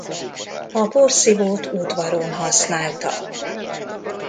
A porszívót udvaron használta.